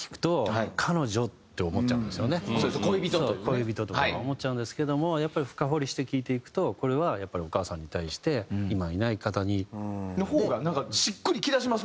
恋人とか思っちゃうんですけどもやっぱり深掘りして聴いていくとこれはお母さんに対して今はいない方に。の方がなんかしっくりきだしますもんね